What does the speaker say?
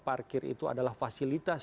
parkir itu adalah fasilitas